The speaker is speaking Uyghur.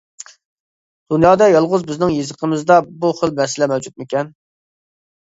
دۇنيادا يالغۇز بىزنىڭ يېزىقىمىزدا بۇ خىل مەسىلە مەۋجۇتمىكەن.